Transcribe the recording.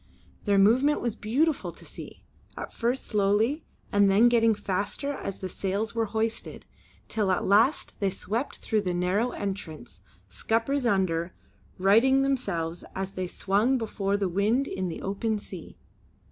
Their movement was beautiful to see; at first slowly, and then getting faster as the sails were hoisted, till at last they swept through the narrow entrance, scuppers under, righting themselves as they swung before the wind in the open sea.